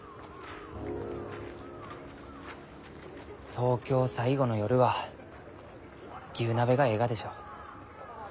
東京最後の夜は牛鍋がえいがでしょう？